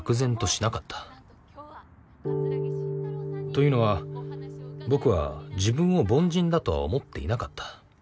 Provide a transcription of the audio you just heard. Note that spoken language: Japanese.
というのは僕は自分を凡人だとは思っていなかった。